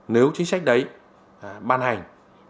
nếu chính sách đấy ban hành